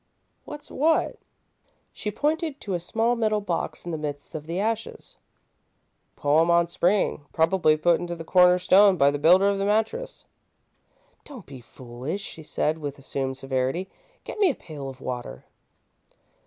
"What's what?" She pointed to a small metal box in the midst of the ashes. "Poem on Spring, probably, put into the corner stone by the builder of the mattress." "Don't be foolish," she said, with assumed severity. "Get me a pail of water."